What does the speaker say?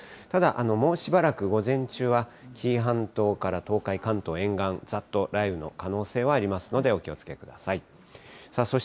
ただもうしばらく、午前中は紀伊半島から東海、関東沿岸、ざっと雷雨の可能性はありますので、お気をつけください。